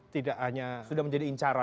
tidak hanya sudah menjadi incara